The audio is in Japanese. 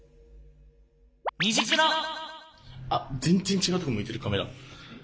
あ全然違うとこ向いてるカメラ。